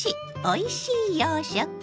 おいしい洋食」。